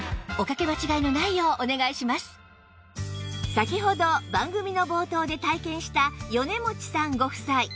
先ほど番組の冒頭で体験した米持さんご夫妻